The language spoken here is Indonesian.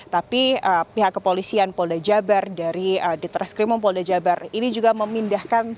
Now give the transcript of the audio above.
tapi pihak kepolisian polda jabar dari ditreskrimum polda jabar ini juga memindahkan